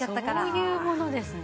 そういうものですね。